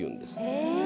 へえ。